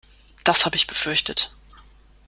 Das habe ich befürchtet.